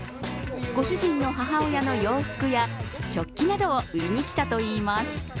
御主人の母親の洋服や食器などを売りに来たといいます。